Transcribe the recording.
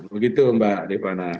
begitu mbak devana